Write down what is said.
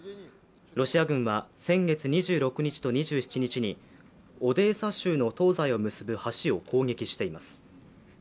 ロシア軍は先月２６日と２７日にオデーサ州の東西を結ぶ橋を攻撃しています。